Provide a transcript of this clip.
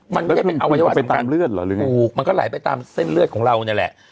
มันก็ไปตามเลือดหรอหรือไงมันก็หลายไปตามเส้นเลือดของเราเนี่ยแหละ